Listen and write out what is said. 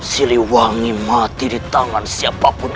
siliwangi mati di tangan siapapun